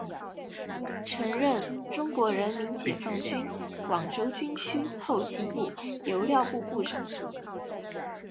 曾任中国人民解放军广州军区后勤部油料部部长。